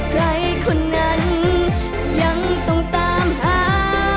ใครคนนั้นยังต้องตามหา